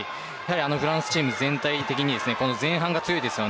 フランスチーム全体的に前半が強いです。